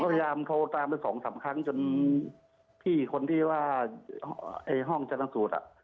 ผมก็พยายามโทรตามไป๒๓ครั้งจนพี่คนที่ว่าไอ้ห้องเจรสุรอะ